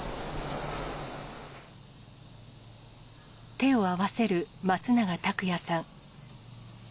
手を合わせる松永拓也さん。